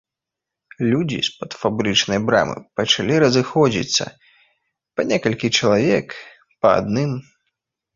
Людзі з-пад фабрычнай брамы пачалі разыходзіцца, па некалькі чалавек, па адным.